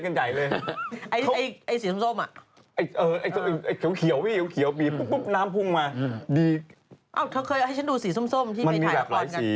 ไม่สวยเอาล่ะลูก